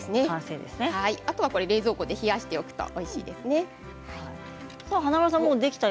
これで、あとは冷蔵庫で冷やしておくといいですね。